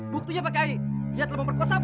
buktinya pak kai dia telah memperkuat sabu elbi